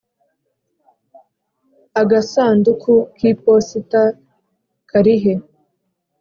agasanduku k'iposita kari he